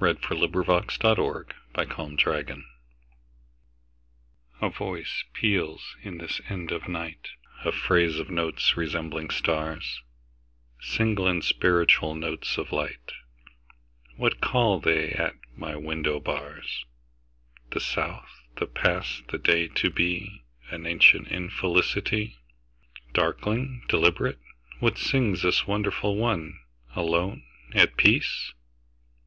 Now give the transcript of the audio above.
Alice Meynell1847–1922 A Thrush before Dawn A VOICE peals in this end of nightA phrase of notes resembling stars, Single and spiritual notes of light. What call they at my window bars? The South, the past, the day to be, An ancient infelicity. Darkling, deliberate, what singsThis wonderful one, alone, at peace?